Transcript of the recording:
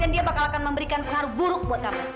dia bakal akan memberikan pengaruh buruk buat kamu